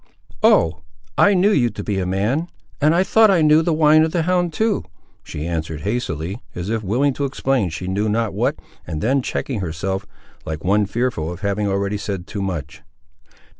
"Oh! I knew you to be a man, and I thought I knew the whine of the hound, too," she answered hastily, as if willing to explain she knew not what, and then checking herself, like one fearful of having already said too much.